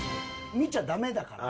見ちゃ駄目だから。